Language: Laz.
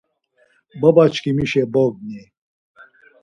Baba çkimişe bogni.